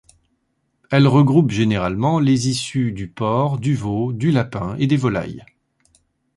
Elle regroupe généralement les issues du porc, du veau, du lapin et des volailles.